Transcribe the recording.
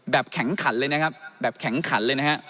แข็งขันเลยนะครับแบบแข็งขันเลยนะฮะ